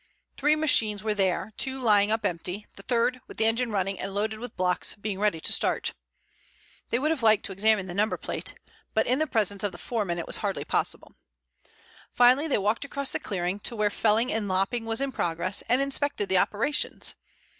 Three machines were there, two lying up empty, the third, with engine running and loaded with blocks, being ready to start. They would have liked to examine the number plate, but in the presence of the foreman it was hardly possible. Finally they walked across the clearing to where felling and lopping was in progress, and inspected the operations.